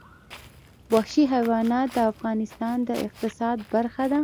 وحشي حیوانات د افغانستان د اقتصاد برخه ده.